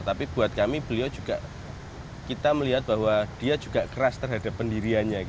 tapi buat kami beliau juga kita melihat bahwa dia juga keras terhadap pendiriannya